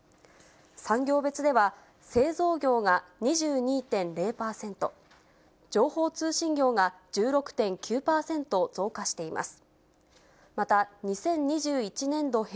産業別では製造業が２２．０％、情報通信業が１６．９％増加しています。